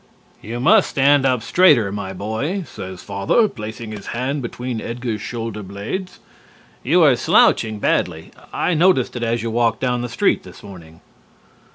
"You must stand up straighter, my boy," says Father, placing his hand between Edgar's shoulder blades. "You are slouching badly. I noticed it as you walked down the street this morning."